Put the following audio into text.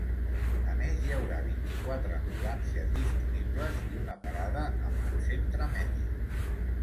A més, hi haurà vint-i-quatre ambulàncies disponibles i una parada amb un centre mèdic.